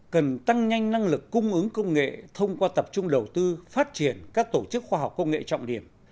cần tăng nhanh năng lực cung ứng công nghệ thông qua tập trung đầu tư phát triển các tổ chức khoa học công nghệ trọng điểm